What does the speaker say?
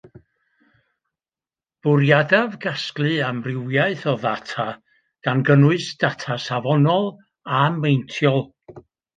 Bwriadaf gasglu amrywiaeth o ddata gan gynnwys data safonol a meintiol